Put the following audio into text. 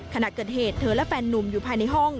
ขณะเกิดเหตุเธอและแฟนนุ่มอยู่ภายในห้อง